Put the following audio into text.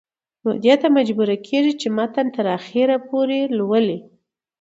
نو دې ته مجبوره کيږي چې متن تر اخره پورې لولي